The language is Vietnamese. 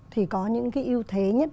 thì có những cái yêu thế nhất